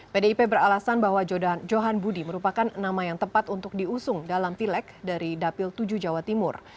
pdip beralasan bahwa johan budi merupakan nama yang tepat untuk diusung dalam pilek dari dapil tujuh jawa timur